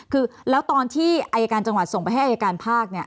คือแล้วตอนที่อายการจังหวัดส่งไปให้อายการภาคเนี่ย